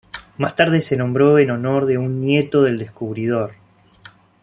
Más tarde se nombró en honor de un nieto del descubridor.